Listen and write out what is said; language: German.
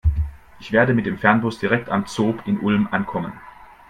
Ich werde mit dem Fernbus direkt am ZOB in Ulm ankommen.